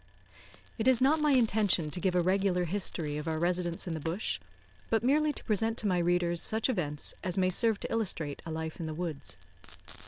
It is not my intention to give a regular history of our residence in the bush, but merely to present to my readers such events as may serve to illustrate a life in the woods.